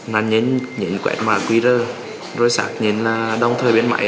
nàn nhến nhấn quét mạng qr rồi xác nhấn là đồng thời biến mãi